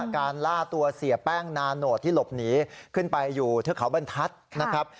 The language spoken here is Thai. การล่าตัวเสียแป้งนาโนตที่หลบหนีขึ้นไปอยู่เทือกเขาบรรทัศน์นะครับ